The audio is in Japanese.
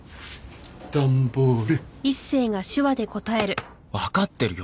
段ボール！